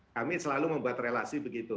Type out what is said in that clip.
kami selalu membuat relasi begitu